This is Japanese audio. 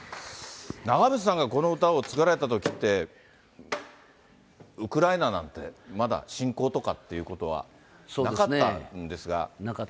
長渕さんがこの歌を作られたときって、ウクライナなんて、まだ侵攻とかっていうことはなかったんですが。